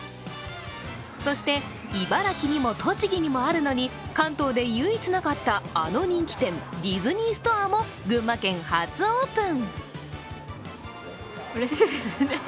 そして、茨城にも栃木にもあるのに関東で唯一なかったあの人気店、ディズニーストアも群馬県初オープン。